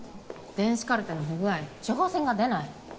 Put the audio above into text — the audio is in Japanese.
電子カルテの不具合処方箋が出ない。